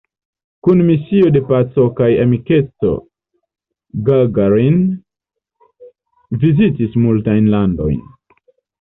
Kun misio de paco kaj amikeco Gagarin vizitis multajn landojn.